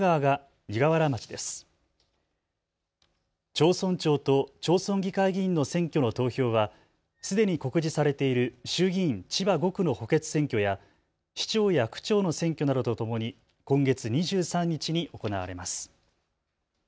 町村長と町村議会議員の選挙の投票はすでに告示されている衆議院千葉５区の補欠選挙や市長や区長の選挙などとともに今月２３日に行われます。